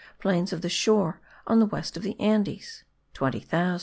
Plains of the shore on the west of the Andes : 20,000.